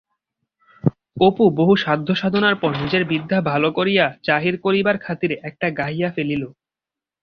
অপু বহু সাধ্যসাধনার পর নিজের বিদ্যা ভালো করিয়া জাহির করিবার খাতিরে একটা গাহিয়া ফেলিল।